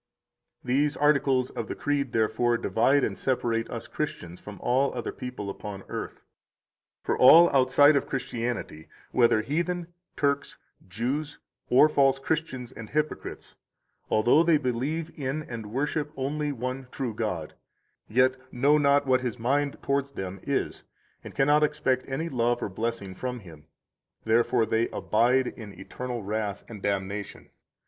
66 These articles of the Creed, therefore, divide and separate us Christians from all other people upon earth. For all outside of Christianity, whether heathen, Turks, Jews, or false Christians and hypocrites, although they believe in, and worship, only one true God, yet know not what His mind towards them is, and cannot expect any love or blessing from Him; therefore they abide in eternal wrath and damnation.